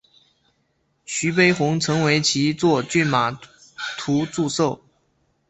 徐悲鸿曾为其作骏马图祝寿。